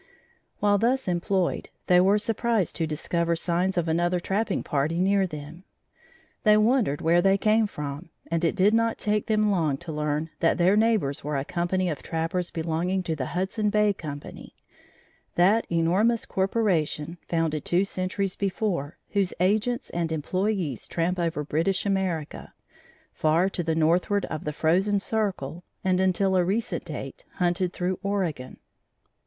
While thus employed, they were surprised to discover signs of another trapping party near them. They wondered where they came from and it did not take them long to learn that their neighbors were a company of trappers belonging to the Hudson Bay Company that enormous corporation, founded two centuries before, whose agents and employees tramp over British America, far to the northward of the frozen circle, and until a recent date hunted through Oregon.